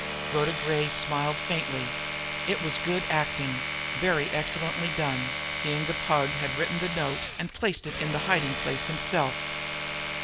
Rhoda Gray smiled faintly. It was good acting, very excellently done seeing that the Pug had written the note and placed it in the hiding place himself!